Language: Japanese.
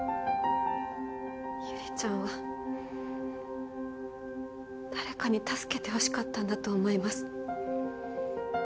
悠里ちゃんは誰かに助けてほしかったんだと思います。